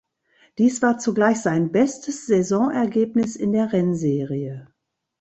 Dies war zugleich sein bestes Saisonergebnis in der Rennserie.